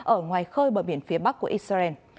ở ngoài khơi bờ biển phía bắc của israel